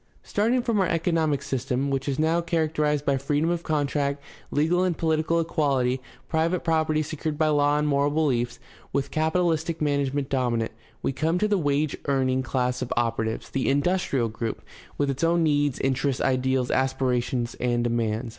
Starting from our economic system, which is now char acterized by freedom of contract, legal and political equahty, private property secured by law and moral beliefs, with capitalistic management dominant, we come to the wage earning class of operatives, the "industrial group," with its own needs, interests, ideals, aspirations, and demands.